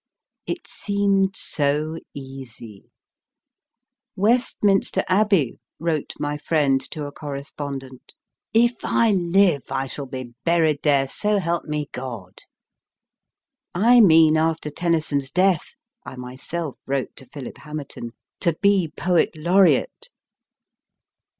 It seemed so easy ! Westminster Abbey, wrote rny friend to a correspondent ; if I live, I shall be buried there so help me God ! I mean, after Tennyson s death, I myself wrote to Philip Hamerton, * to be Poet Laureate